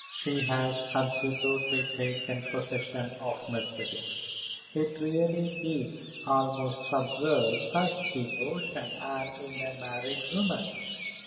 "She has absolutely taken possession of Mercedes. It really is almost absurd, such devotion, and in a married woman.